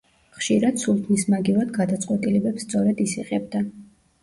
ხშირად სულთნის მაგივრად გადაწყვეტილებებს სწორედ ის იღებდა.